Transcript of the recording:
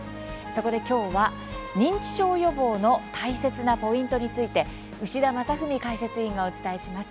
そこで今日は認知症予防の大切なポイントについて牛田正史解説委員がお伝えします。